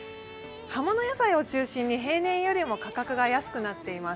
葉物野菜を中心に平年よりも価格が安くなっています。